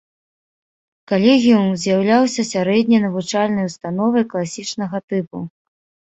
Калегіум з'яўляўся сярэдняй навучальнай установай класічнага тыпу.